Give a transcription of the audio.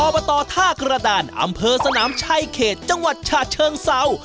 บตท่ากระดานอำเภอสนามชัยเขตจังหวัดฉะเชิงเศร้า